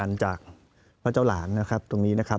ขอมอบจากท่านรองเลยนะครับขอมอบจากท่านรองเลยนะครับขอมอบจากท่านรองเลยนะครับ